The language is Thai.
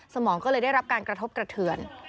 สมองก็เลยได้รับการกระทบกระเทือน